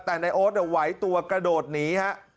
แต่ในโอ๊ตเดี๋ยวไหวตัวกระโดดหนีฮะ